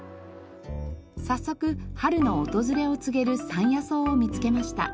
早速春の訪れを告げる山野草を見つけました。